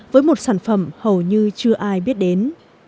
với một sản phẩm hầu như chưa ai biết đến